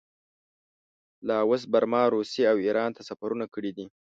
لاوس، برما، روسیې او ایران ته سفرونه کړي دي.